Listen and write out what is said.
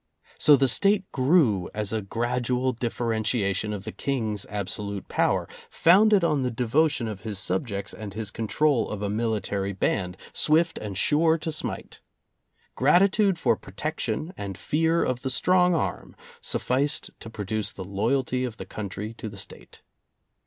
So the State grew as a gradual differentiation of the King's absolute power, founded on the devotion of his subjects and his control of a military band, swift and sure to smite. Gratitude for protection and fear of the strong arm sufficed to produce the loyalty of the country to the State.